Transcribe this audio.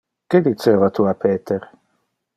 Que diceva tu a Peter?